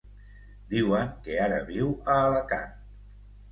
Diuen que ara viu a Alacant.